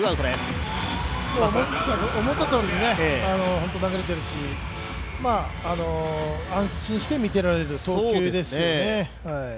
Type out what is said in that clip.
思ったとおりに投げれているし、安心して見ていられる投球ですよね。